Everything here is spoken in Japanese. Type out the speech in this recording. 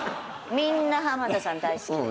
みんな浜田さん大好きです。